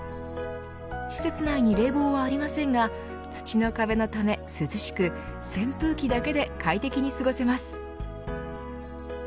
施設内に冷房はありませんが土の壁のため涼しく扇風機だけで快適に過ごせます。